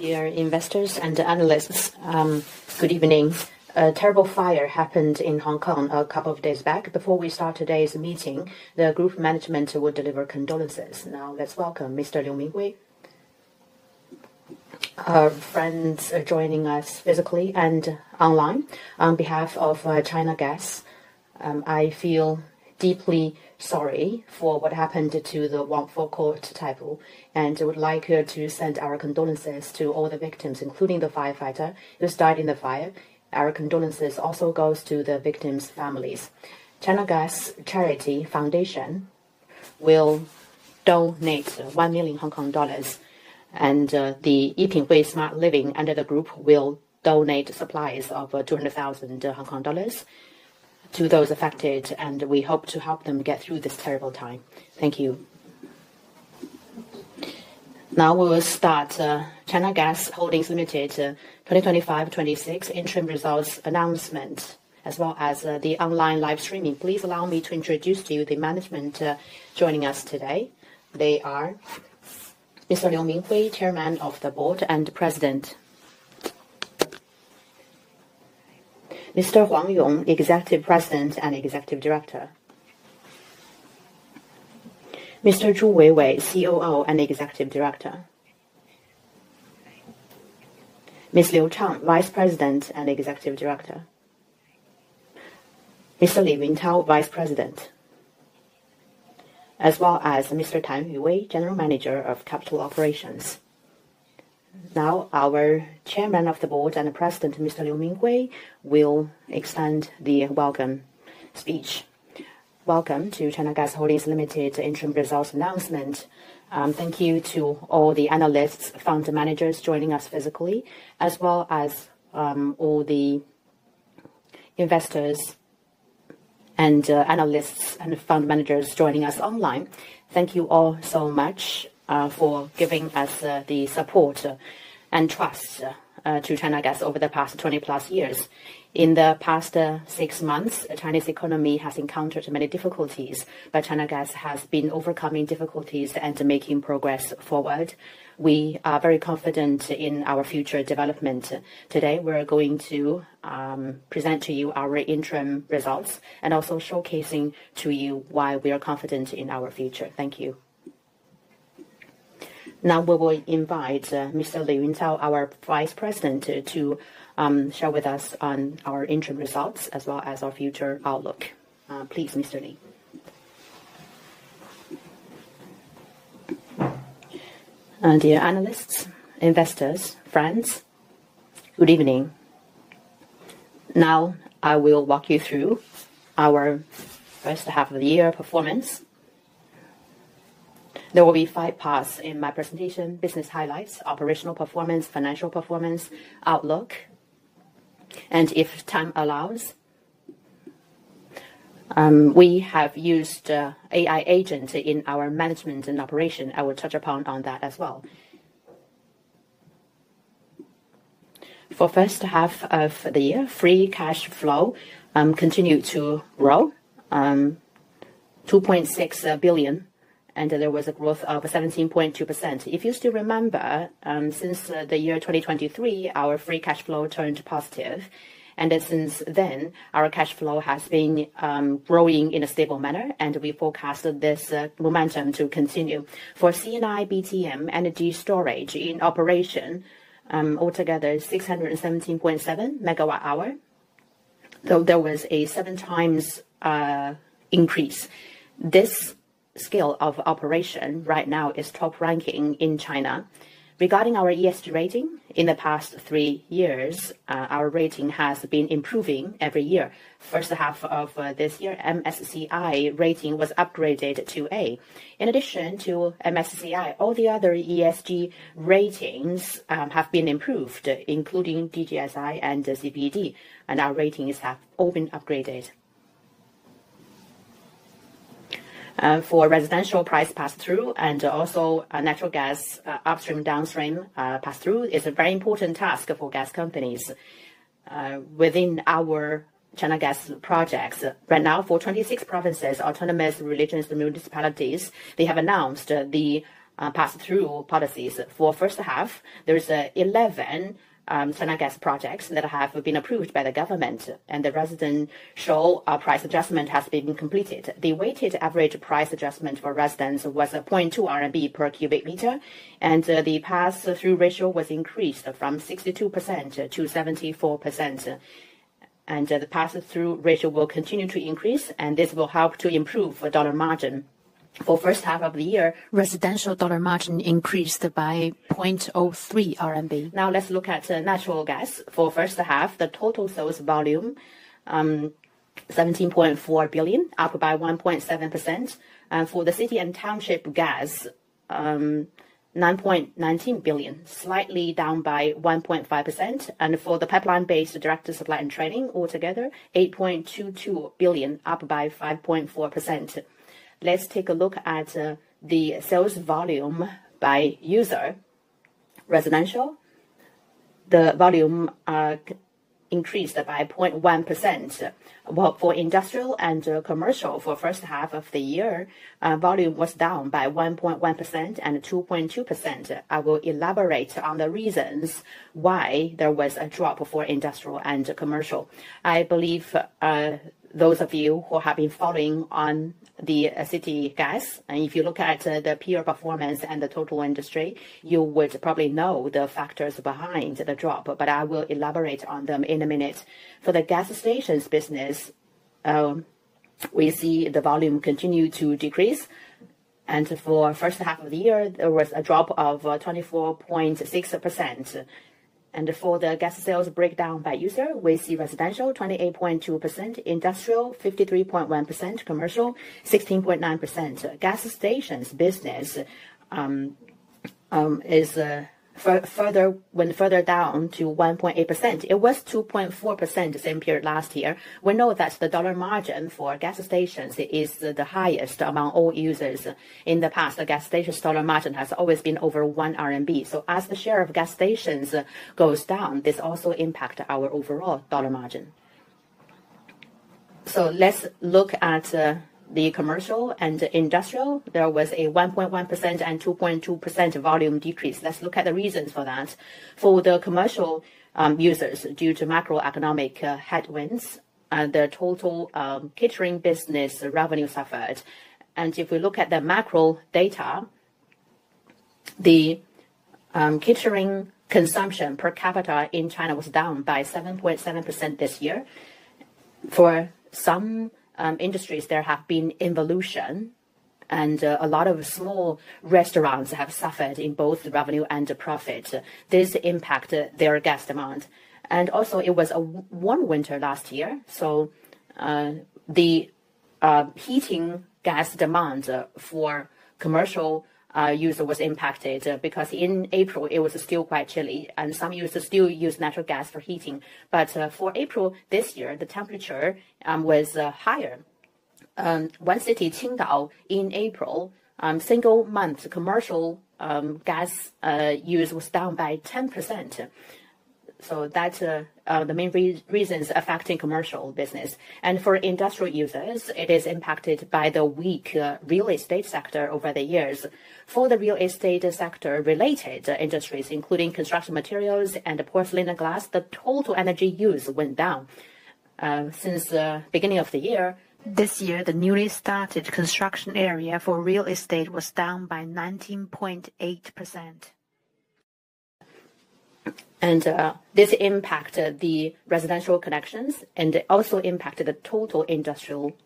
Dear investors and analysts, good evening. A terrible fire happened in Hong Kong a couple of days back. Before we start today's meeting, the group management will deliver condolences. Now, let's welcome Mr. Liu Mingwei, our friend joining us physically and online. On behalf of China Gas, I feel deeply sorry for what happened to the Wang Fu Court, and I would like to send our condolences to all the victims, including the firefighter who died in the fire. Our condolences also go to the victims' families. China Gas Charity Foundation will donate 1 million Hong Kong dollars and the Yiping Wei Smart Living under the group will donate supplies of 200,000 Hong Kong dollars to those affected, and we hope to help them get through this terrible time. Thank you. Now we'll start China Gas Holdings Limited 2025-2026 interim results announcement, as well as the online live streaming. Please allow me to introduce to you the management joining us today. They are Mr. Liu Mingwei, Chairman of the Board and President, Mr. Huang Yong, Executive President and Executive Director, Mr. Zhu Weiwei, COO and Executive Director, Ms. Liu Chang, Vice President and Executive Director, Mr. Li Wintao, Vice President, as well as Mr. Tan Yuwei, General Manager of Capital Operations. Now, our Chairman of the Board and President, Mr. Liu Mingwei, will extend the welcome speech. Welcome to China Gas Holdings Limited interim results announcement. Thank you to all the analysts, fund managers joining us physically, as well as all the investors and analysts and fund managers joining us online. Thank you all so much for giving us the support and trust to China Gas over the past 20 plus years. In the past six months, China's economy has encountered many difficulties, but China Gas has been overcoming difficulties and making progress forward. We are very confident in our future development. Today, we're going to present to you our interim results and also showcase to you why we are confident in our future. Thank you. Now we will invite Mr. Liu Wintao, our Vice President, to share with us on our interim results as well as our future outlook. Please, Mr. Li. Dear analysts, investors, friends, good evening. Now I will walk you through our first half of the year performance. There will be five parts in my presentation: business highlights, operational performance, financial performance, outlook. If time allows, we have used AI agents in our management and operation. I will touch upon that as well. For the first half of the year, free cash flow continued to grow, 2.6 billion, and there was a growth of 17.2%. If you still remember, since the year 2023, our free cash flow turned positive, and since then, our cash flow has been growing in a stable manner, and we forecast this momentum to continue. For CNI BTM energy storage in operation, altogether 617.7 MWh, though there was a seven times increase. This scale of operation right now is top ranking in China. Regarding our ESG rating, in the past three years, our rating has been improving every year. First half of this year, MSCI rating was upgraded to A. In addition to MSCI, all the other ESG ratings have been improved, including DGSI and CBD, and our ratings have all been upgraded. For residential price pass-through and also natural gas upstream/downstream pass-through, it's a very important task for gas companies within our China Gas projects. Right now, for 26 provinces, autonomous regions, and municipalities, they have announced the pass-through policies. For the first half, there are 11 China Gas projects that have been approved by the government, and the residential price adjustment has been completed. The weighted average price adjustment for residents was HKD 0.2 per cubic meter, and the pass-through ratio was increased from 62%-74%. The pass-through ratio will continue to increase, and this will help to improve the dollar margin. For the first half of the year, residential dollar margin increased by HKD 0.03. Now let's look at natural gas. For the first half, the total sales volume, 17.4 billion, up by 1.7%. For the city and township gas, 9.19 billion, slightly down by 1.5%. For the pipeline-based direct supply and training, altogether 8.22 billion, up by 5.4%. Let's take a look at the sales volume by user. Residential, the volume increased by 0.1%. For industrial and commercial, for the first half of the year, volume was down by 1.1% and 2.2%. I will elaborate on the reasons why there was a drop for industrial and commercial. I believe those of you who have been following on the city gas, and if you look at the peer performance and the total industry, you would probably know the factors behind the drop, but I will elaborate on them in a minute. For the gas station business, we see the volume continue to decrease, and for the first half of the year, there was a drop of 24.6%. For the gas sales breakdown by user, we see residential 28.2%, industrial 53.1%, commercial 16.9%. Gas station business is further down to 1.8%. It was 2.4% the same period last year. We know that the dollar margin for gas stations is the highest among all users. In the past, the gas station dollar margin has always been over 1 RMB. As the share of gas stations goes down, this also impacts our overall dollar margin. Let's look at the commercial and industrial. There was a 1.1% and 2.2% volume decrease. Let's look at the reasons for that. For the commercial users, due to macroeconomic headwinds, the total catering business revenue suffered. If we look at the macro data, the catering consumption per capita in China was down by 7.7% this year. For some industries, there has been involution, and a lot of small restaurants have suffered in both revenue and profit. This impacted their gas demand. It was a warm winter last year, so the heating gas demand for commercial users was impacted because in April, it was still quite chilly, and some users still used natural gas for heating. For April this year, the temperature was higher. One city, Qingdao, in April, single month commercial gas use was down by 10%. That is the main reasons affecting commercial business. For industrial users, it is impacted by the weak real estate sector over the years. For the real estate sector-related industries, including construction materials and porcelain and glass, the total energy use went down since the beginning of the year. This year, the newly started construction area for real estate was down by 19.8%. This impacted the residential connections and also impacted the total industrial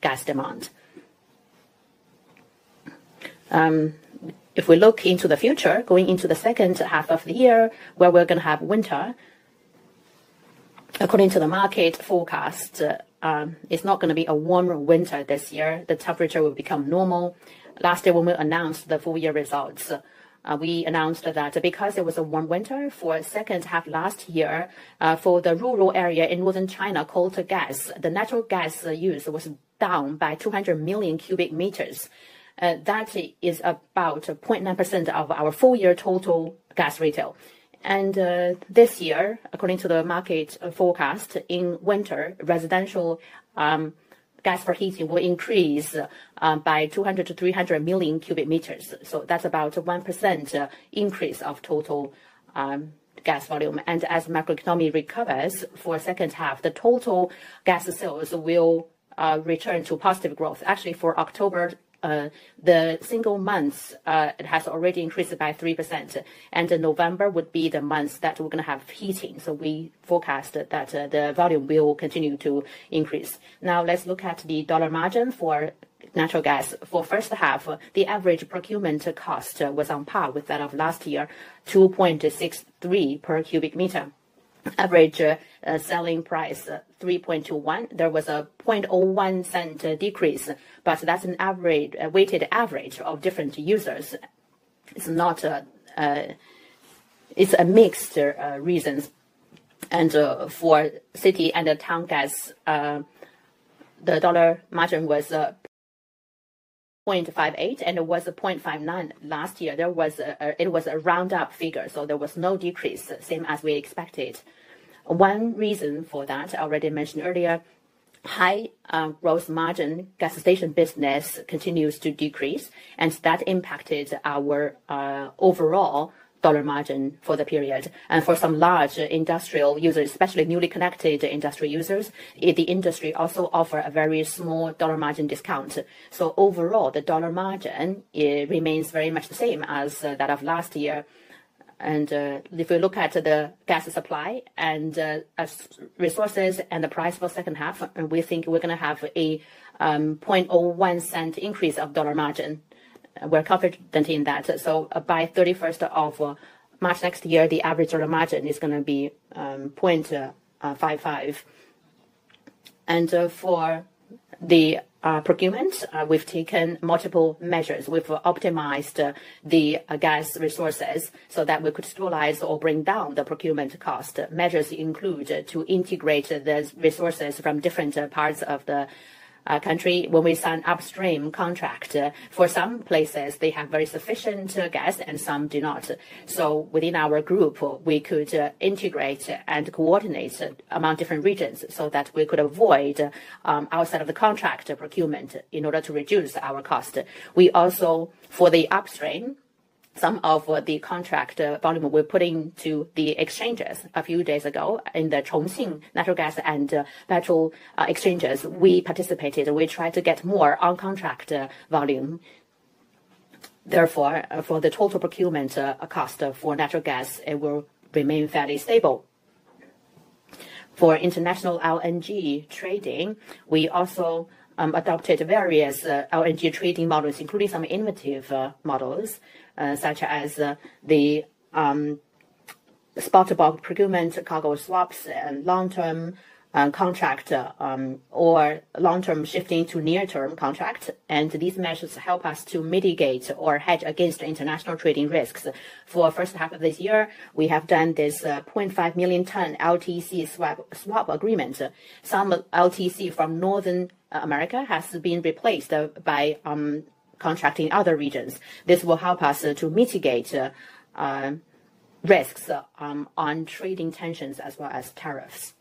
gas demand. If we look into the future, going into the second half of the year, where we're going to have winter, according to the market forecast, it's not going to be a warm winter this year. The temperature will become normal. Last year, when we announced the full year results, we announced that because it was a warm winter, for the second half last year, for the rural area in northern China called to gas, the natural gas use was down by 200 million cubic meters. That is about 0.9% of our full year total gas retail. This year, according to the market forecast, in winter, residential gas for heating will increase by 200-300 million cubic meters. That's about a 1% increase of total gas volume. As macroeconomy recovers for the second half, the total gas sales will return to positive growth. Actually, for October, the single month has already increased by 3%, and November would be the month that we're going to have heating. We forecast that the volume will continue to increase. Now let's look at the dollar margin for natural gas. For the first half, the average procurement cost was on par with that of last year, 2.63 per cubic meter. Average selling price, 3.21. There was a 0.01 decrease, but that's a weighted average of different users. It's a mixed reason. For city and town gas, the dollar margin was 0.58, and it was 0.59 last year. It was a roundup figure, so there was no decrease, same as we expected. One reason for that, I already mentioned earlier, high gross margin gas station business continues to decrease, and that impacted our overall dollar margin for the period. For some large industrial users, especially newly connected industrial users, the industry also offers a very small dollar margin discount. Overall, the dollar margin remains very much the same as that of last year. If we look at the gas supply and resources and the price for the second half, we think we are going to have a 0.01 increase of dollar margin. We are confident in that. By 31 March next year, the average dollar margin is going to be 0.55. For the procurement, we have taken multiple measures. We have optimized the gas resources so that we could stabilize or bring down the procurement cost. Measures include integrating the resources from different parts of the country when we sign upstream contracts. For some places, they have very sufficient gas, and some do not. Within our group, we could integrate and coordinate among different regions so that we could avoid outside of the contract procurement in order to reduce our cost. We also, for the upstream, some of the contract volume we are putting to the exchanges. A few days ago in the Chongqing Petroleum and Natural Gas Exchange, we participated. We tried to get more on contract volume. Therefore, for the total procurement cost for natural gas, it will remain fairly stable. For international LNG trading, we also adopted various LNG trading models, including some innovative models, such as the spot-bought procurement, cargo swaps, and long-term contract, or long-term shifting to near-term contract. These measures help us to mitigate or hedge against international trading risks. For the first half of this year, we have done this 500,000 ton LTC swap agreement. Some LTC from Northern America has been replaced by contracting other regions. This will help us to mitigate risks on trading tensions as well as tariffs.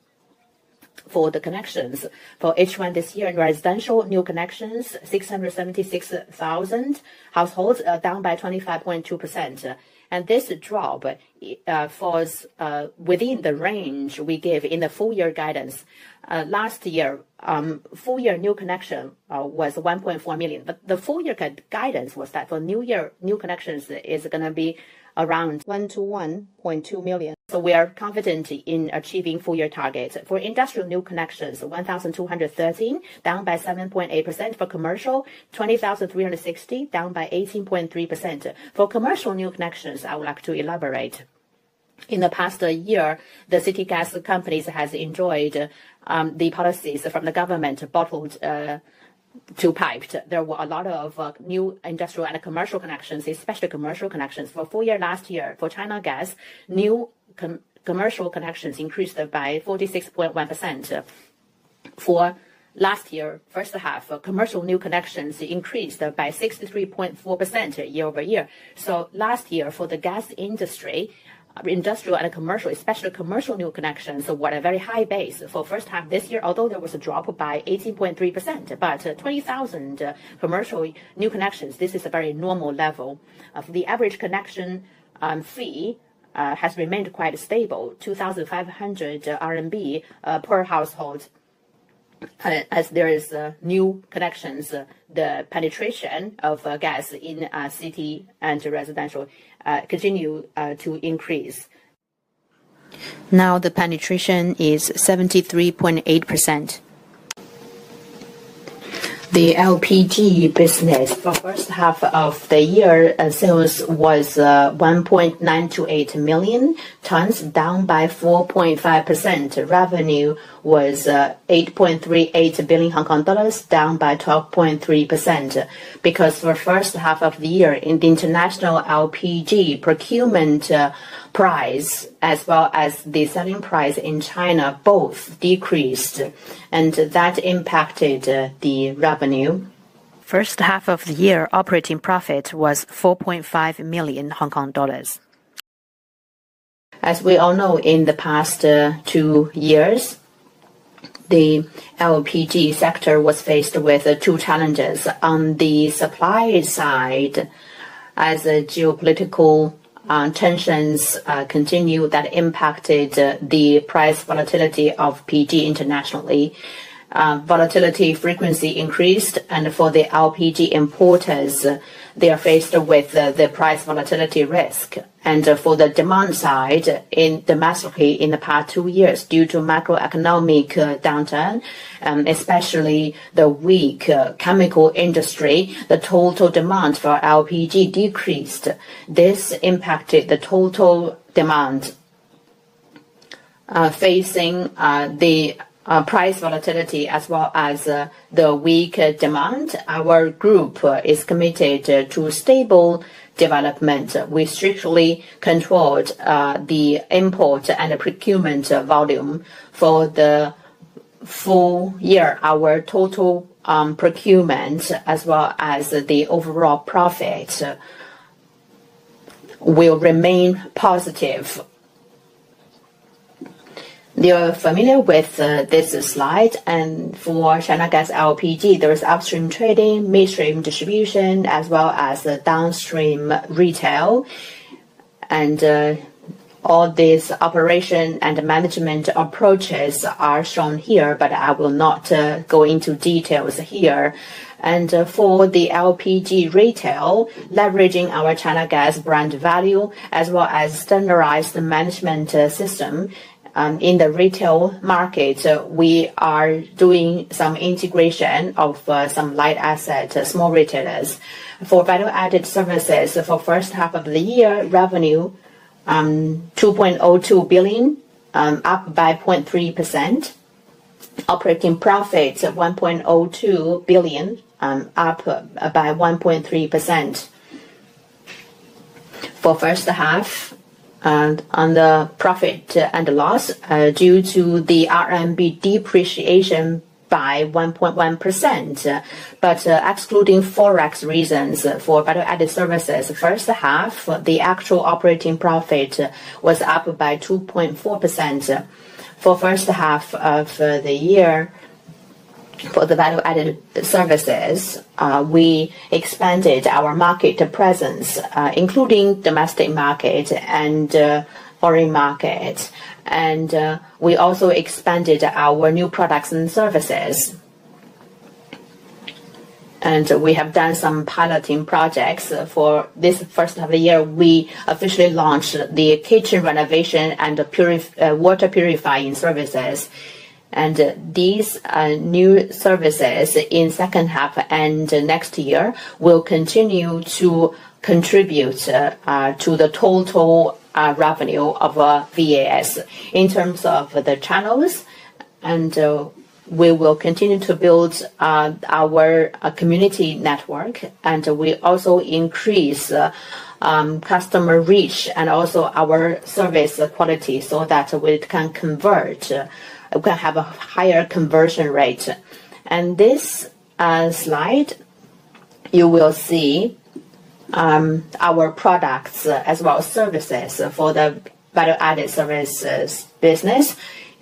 For the connections, for H1 this year in residential, new connections, 676,000 households, down by 25.2%. This drop falls within the range we gave in the full year guidance. Last year, full year new connection was 1.4 million. The full year guidance was that for new year, new connections is going to be around 1.2 million. We are confident in achieving full year target. For industrial new connections, 1,213, down by 7.8%. For commercial, 20,360, down by 18.3%. For commercial new connections, I would like to elaborate. In the past year, the city gas companies have enjoyed the policies from the government bottled to piped. There were a lot of new industrial and commercial connections, especially commercial connections. For full year last year, for China Gas, new commercial connections increased by 46.1%. For last year, first half, commercial new connections increased by 63.4% year-over-year. Last year, for the gas industry, industrial and commercial, especially commercial new connections, were at a very high base for the first time this year, although there was a drop by 18.3%. 20,000 commercial new connections, this is a very normal level. The average connection fee has remained quite stable, HKD 2,500 per household. As there are new connections, the penetration of gas in city and residential continues to increase. Now the penetration is 73.8%. The LPG business for the first half of the year sales was 1.928 million, down by 4.5%. Revenue was 8.38 billion Hong Kong dollars, down by 12.3%. Because for the first half of the year, the international LPG procurement price, as well as the selling price in China, both decreased, and that impacted the revenue. First half of the year, operating profit was 4.5 million Hong Kong dollars. As we all know, in the past two years, the LPG sector was faced with two challenges. On the supply side, as geopolitical tensions continued that impacted the price volatility of LPG internationally, volatility frequency increased. For the LPG importers, they are faced with the price volatility risk. For the demand side, in the past two years, due to macroeconomic downturn, especially the weak chemical industry, the total demand for LPG decreased. This impacted the total demand. Facing the price volatility as well as the weak demand, our group is committed to stable development. We strictly controlled the import and procurement volume for the full year. Our total procurement, as well as the overall profit, will remain positive. You are familiar with this slide. For China Gas LPG, there is upstream trading, midstream distribution, as well as downstream retail. All these operation and management approaches are shown here, but I will not go into details here. For the LPG retail, leveraging our China Gas brand value, as well as standardized management system in the retail market, we are doing some integration of some light assets, small retailers. For value-added services, for the first half of the year, revenue 2.02 billion, up by 0.3%. Operating profit 1.02 billion, up by 1.3%. For the first half, on the profit and the loss, due to the RMB depreciation by 1.1%, but excluding Forex reasons for value-added services, first half, the actual operating profit was up by 2.4%. For the first half of the year, for the value-added services, we expanded our market presence, including domestic market and foreign market. We also expanded our new products and services. We have done some piloting projects. For this first half of the year, we officially launched the kitchen renovation and water purifying services. These new services in the second half and next year will continue to contribute to the total revenue of VAS. In terms of the channels, we will continue to build our community network, and we also increase customer reach and also our service quality so that we can convert, we can have a higher conversion rate. This slide, you will see our products as well as services for the value-added services business.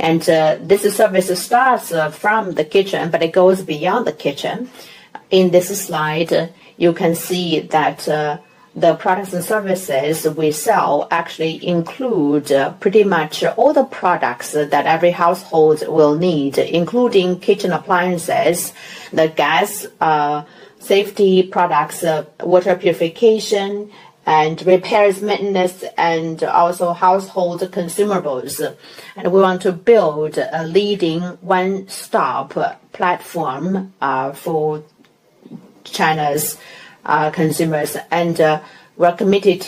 This service starts from the kitchen, but it goes beyond the kitchen. In this slide, you can see that the products and services we sell actually include pretty much all the products that every household will need, including kitchen appliances, the gas safety products, water purification, and repairs, maintenance, and also household consumables. We want to build a leading one-stop platform for China's consumers. We are committed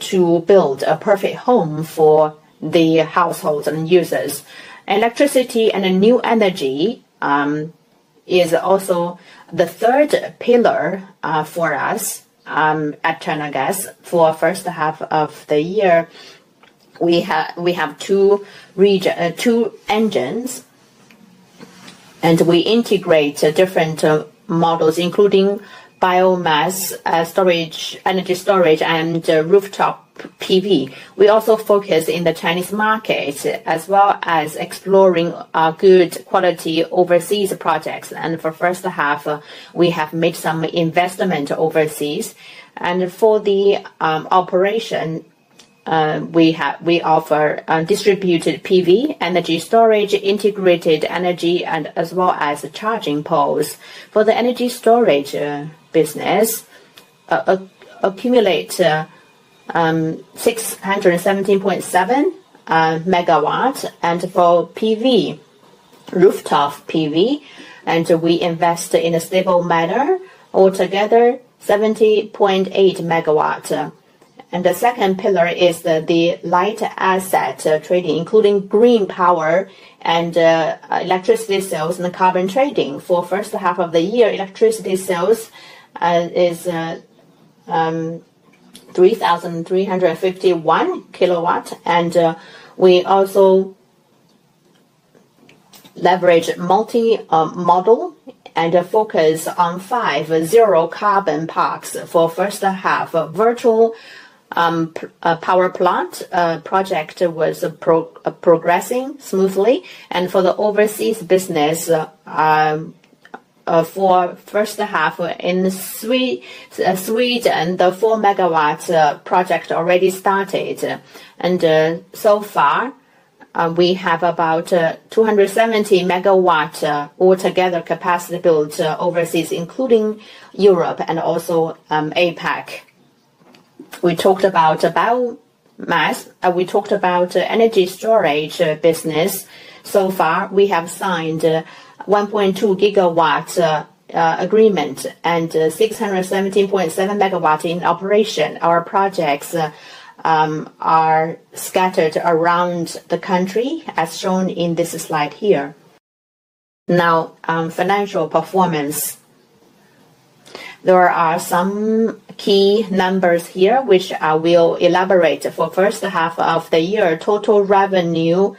to build a perfect home for the households and users. Electricity and new energy is also the third pillar for us at China Gas for the first half of the year. We have two engines, and we integrate different models, including biomass storage, energy storage, and rooftop PV. We also focus on the Chinese market as well as exploring good quality overseas projects. For the first half, we have made some investment overseas. For the operation, we offer distributed PV, energy storage, integrated energy, and as well as charging poles. For the energy storage business, accumulate 617.7 megawatts, and for PV, rooftop PV, and we invest in a stable manner. Altogether, 70.8 megawatts. The second pillar is the light asset trading, including green power and electricity sales and carbon trading. For the first half of the year, electricity sales is 3,351 kilowatts. We also leverage multi-model and focus on five zero-carbon parks. For the first half, a virtual power plant project was progressing smoothly. For the overseas business, for the first half in Sweden, the four-megawatt project already started. So far, we have about 270 megawatt altogether capacity built overseas, including Europe and also APAC. We talked about biomass. We talked about energy storage business. So far, we have signed a 1.2-gigawatt agreement and 617.7 megawatt in operation. Our projects are scattered around the country, as shown in this slide here. Now, financial performance. There are some key numbers here which I will elaborate. For the first half of the year, total revenue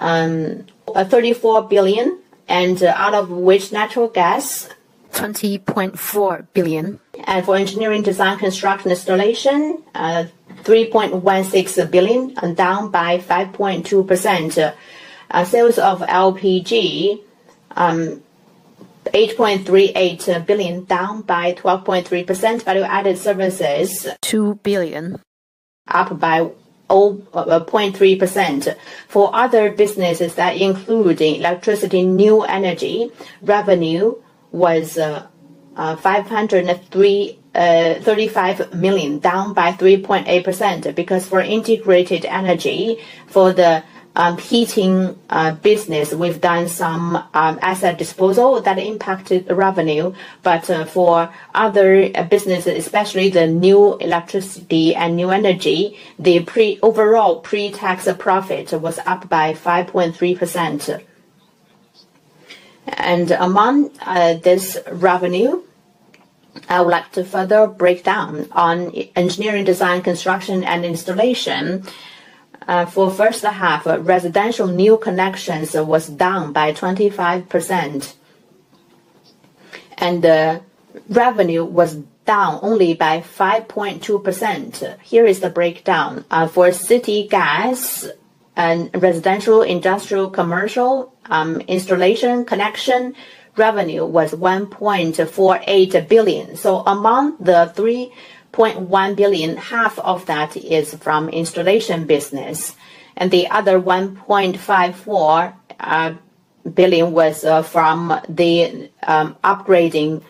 34 billion, and out of which natural gas 20.4 billion. For engineering, design, construction, installation, 3.16 billion, down by 5.2%. Sales of LPG 8.38 billion, down by 12.3%. Value-added services 2 billion, up by 0.3%. For other businesses that include electricity, new energy, revenue was 535 million, down by 3.8%. Because for integrated energy, for the heating business, we have done some asset disposal that impacted revenue. For other businesses, especially the new electricity and new energy, the overall pre-tax profit was up by 5.3%. Among this revenue, I would like to further break down on engineering, design, construction, and installation. For the first half, residential new connections was down by 25%. Revenue was down only by 5.2%. Here is the breakdown. For city gas and residential, industrial, commercial, installation, connection, revenue was 1.48 billion. Among the 3.1 billion, half of that is from installation business. The other 1.54 billion was from the upgrading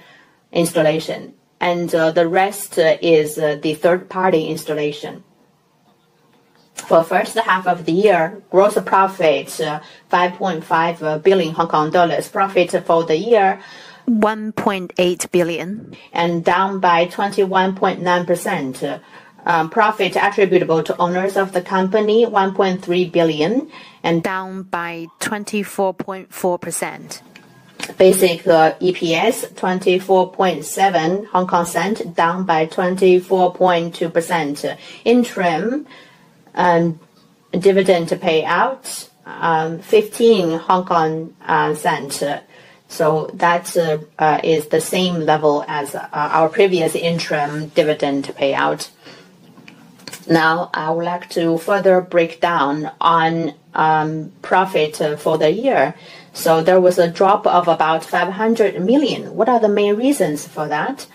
installation. The rest is the third-party installation. For the first half of the year, gross profit 5.5 billion Hong Kong dollars, profit for the year 1.8 billion, and down by 21.9%. Profit attributable to owners of the company 1.3 billion, and down by 24.4%. Basic EPS 24.7, down by 24.2%. Interim dividend payout 15. That is the same level as our previous interim dividend payout. Now, I would like to further break down on profit for the year. There was a drop of about 500 million. What are the main reasons for that?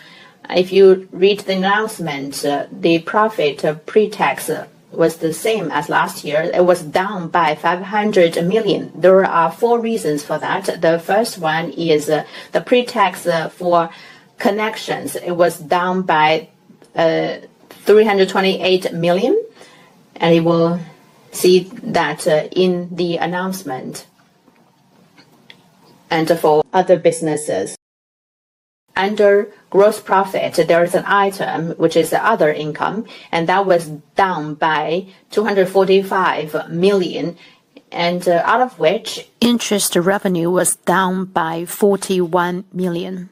If you read the announcement, the profit pre-tax was the same as last year. It was down by 500 million. There are four reasons for that. The first one is the pre-tax for connections. It was down by 328 million. You will see that in the announcement. For other businesses, under gross profit, there is an item which is the other income, and that was down by 245 million, out of which interest revenue was down by 41 million.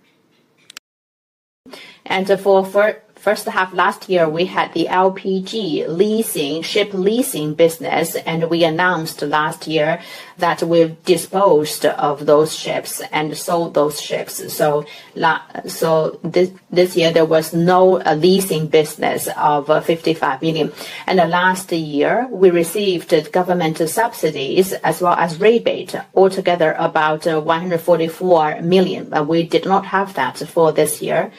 For the first half last year, we had the LPG leasing, ship leasing business, and we announced last year that we have disposed of those ships and sold those ships. This year, there was no leasing business of 55 million. Last year, we received government subsidies as well as rebate, altogether about 144 million. We did not have that for this year.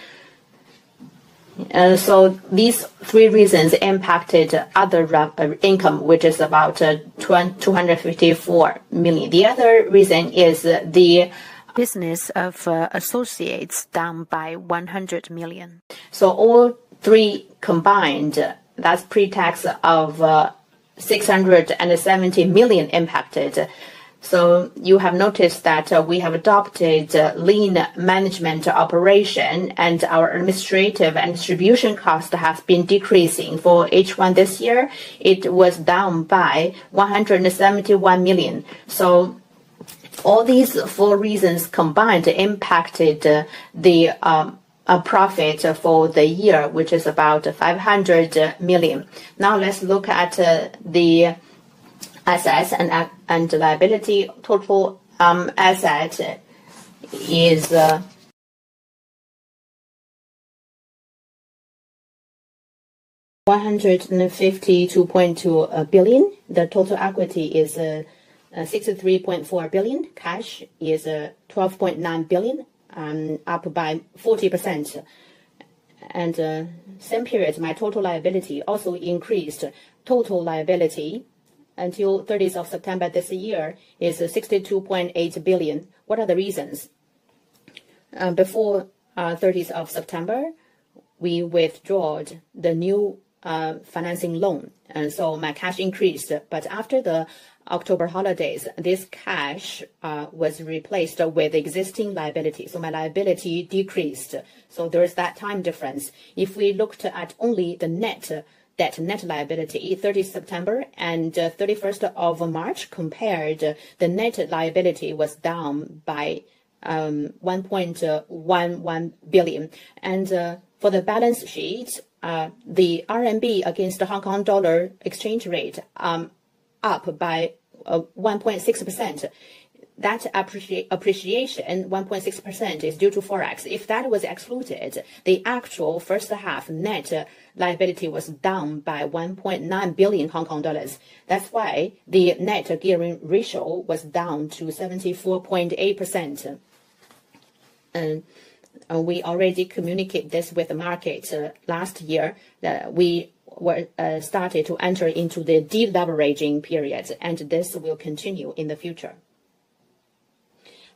These three reasons impacted other income, which is about 254 million. The other reason is the business of associates, down by 100 million. All three combined, that's pre-tax of 670 million impacted. You have noticed that we have adopted lean management operation, and our administrative and distribution cost has been decreasing. For H1 this year, it was down by 171 million. All these four reasons combined impacted the profit for the year, which is about 500 million. Now, let's look at the assets and liability. Total asset is 152.2 billion. The total equity is 63.4 billion. Cash is 12.9 billion, up by 40%. In the same period, my total liability also increased. Total liability until 30th of September this year is 62.8 billion. What are the reasons? Before 30th of September, we withdrew the new financing loan. My cash increased. After the October holidays, this cash was replaced with existing liability. My liability decreased. There is that time difference. If we looked at only the net debt, net liability, 30th September and 31st of March, compared, the net liability was down by 1.11 billion. For the balance sheet, the RMB against the Hong Kong dollar exchange rate up by 1.6%. That appreciation, 1.6%, is due to Forex. If that was excluded, the actual first half net liability was down by 1.9 billion Hong Kong dollars. That is why the net gearing ratio was down to 74.8%. We already communicated this with the market last year, that we started to enter into the de-leveraging period, and this will continue in the future.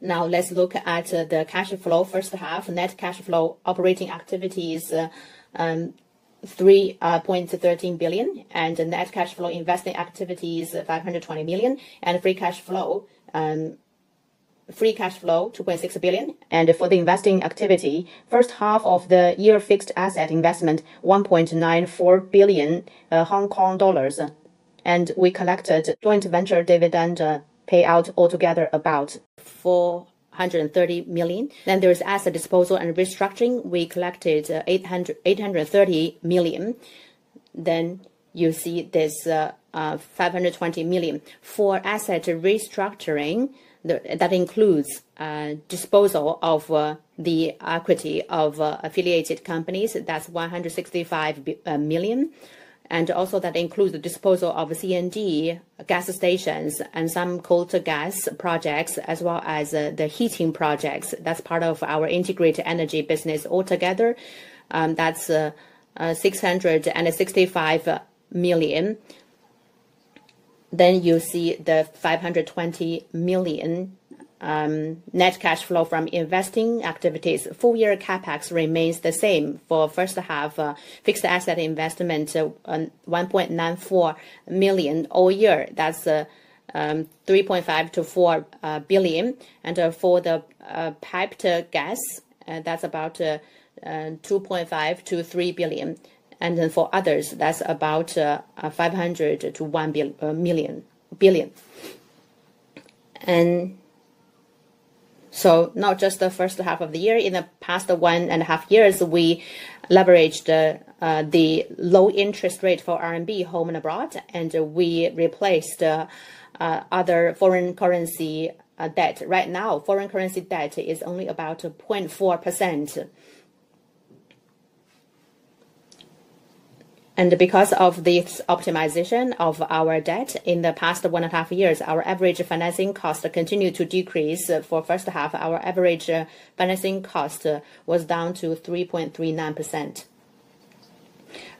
Now, let's look at the cash flow. First half, net cash flow, operating activities, 3.13 billion, and net cash flow, investing activities, 520 million. Free cash flow, 2.6 billion. For the investing activity, first half of the year fixed asset investment, 1.94 billion Hong Kong dollars. We collected joint venture dividend payout altogether about 430 million. There is asset disposal and restructuring. We collected 830 million. You see this 520 million. For asset restructuring, that includes disposal of the equity of affiliated companies. That is 165 million. That also includes the disposal of C&G gas stations and some coal-to-gas projects, as well as the heating projects. That is part of our integrated energy business altogether. That is 665 million. You see the 520 million net cash flow from investing activities. Full-year CAPEX remains the same. For the first half, fixed asset investment, 1.94 billion all year. That is 3.5 billion-4 billion. For the piped gas, that is about 2.5 billion-3 billion. For others, that is about 500 million-1 billion. Not just the first half of the year. In the past one and a half years, we leveraged the low interest rate for RMB, home and abroad, and we replaced other foreign currency debt. Right now, foreign currency debt is only about 0.4%. Because of this optimization of our debt in the past one and a half years, our average financing cost continued to decrease. For the first half, our average financing cost was down to 3.39%.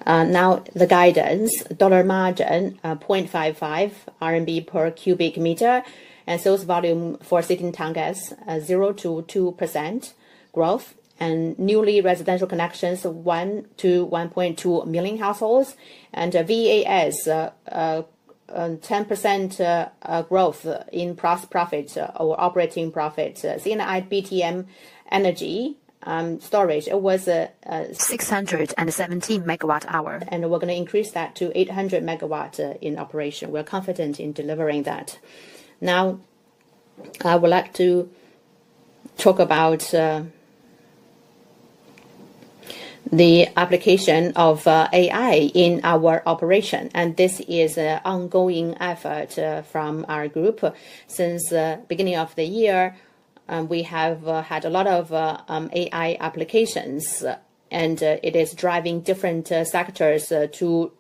Now, the guidance, dollar margin, 0.55 RMB per cubic meter, and sales volume for sitting town gas, 0-2% growth, and newly residential connections, 1 million-1.2 million households, and VAS, 10% growth in plus profit or operating profit. CNI BTM energy storage, it was 617.7 MWh. We are going to increase that to 800 MWh in operation. We are confident in delivering that. Now, I would like to talk about the application of AI in our operation. This is an ongoing effort from our group. Since the beginning of the year, we have had a lot of AI applications, and it is driving different sectors to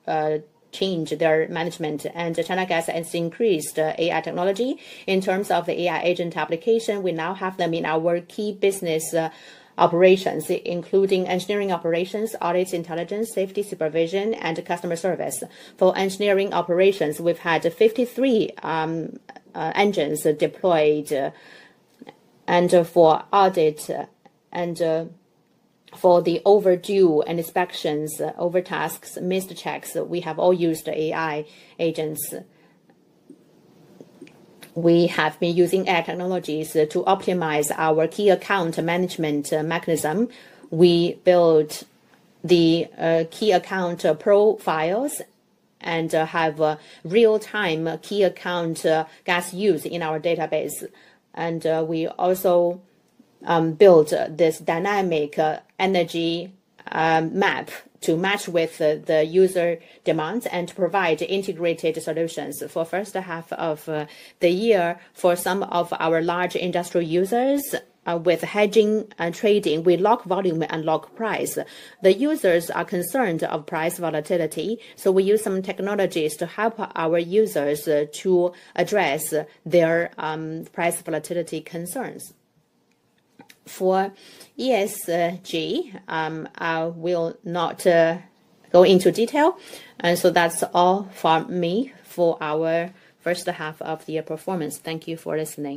change their management. China Gas has increased AI technology. In terms of the AI agent application, we now have them in our key business operations, including engineering operations, audits, intelligence, safety supervision, and customer service. For engineering operations, we've had 53 engines deployed. For audit and for the overdue inspections, over tasks, missed checks, we have all used AI agents. We have been using AI technologies to optimize our key account management mechanism. We built the key account profiles and have real-time key account gas use in our database. We also built this dynamic energy map to match with the user demands and to provide integrated solutions. For the first half of the year, for some of our large industrial users with hedging and trading, we lock volume and lock price. The users are concerned of price volatility. We use some technologies to help our users to address their price volatility concerns. For ESG, I will not go into detail. That is all from me for our first half of the year performance. Thank you for listening.